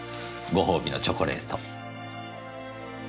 ごほうびのチョコレート。